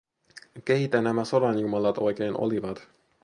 Keitä nämä sodanjumalat oikein olivat?